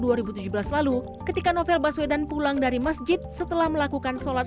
terjadi pada subuh sebelas april dua ribu tujuh belas lalu ketika novel baswedan pulang dari masjid setelah melakukan sholat